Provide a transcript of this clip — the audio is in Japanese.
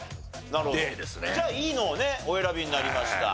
じゃあいいのをねお選びになりました。